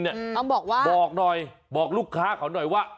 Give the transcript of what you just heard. ต้องบอกว่าบอกหน่อยบอกลูกค้าเขาหน่อยว่า